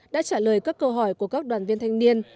đã trả lời các câu hỏi của các đoàn viên thanh niên